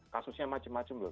kasusnya macam macam loh